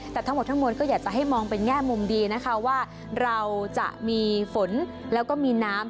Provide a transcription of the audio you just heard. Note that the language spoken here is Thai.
แต่ทั้งหมดทั้งมวลก็อยากจะให้มองเป็นแง่มุมดีนะคะว่าเราจะมีฝนแล้วก็มีน้ำ